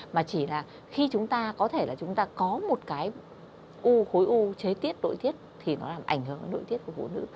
mà chỉ là khi chúng ta có thể là chúng ta có một cái u khối u chế tiết nội tiết thì nó làm ảnh hưởng đến nội tiết của phụ nữ